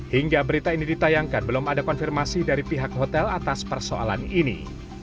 hingga berita ini ditayangkan belum ada konfirmasi dari pihak hotel atas persoalan ini